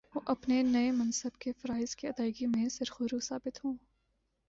وہ اپنے نئے منصب کے فرائض کی ادائیگی میں سرخرو ثابت ہوں